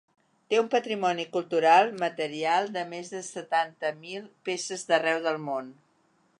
Té un patrimoni cultural material de més de setanta mil peces d’arreu del món.